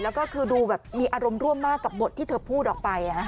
แล้วก็คือดูแบบมีอารมณ์ร่วมมากกับบทที่เธอพูดออกไป